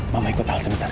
mama ikut ala sementara